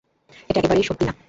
এটা একেবারেরই সত্যি না।